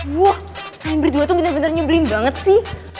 wah kalian berdua tuh bener bener nyebelin banget sih